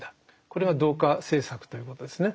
これが同化政策ということですね。